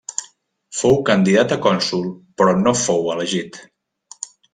Fou candidat a cònsol però no fou elegit.